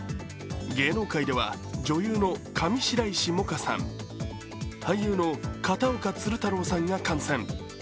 芸能界では女優の上白石萌歌さん、俳優の片岡鶴太郎さんが感染。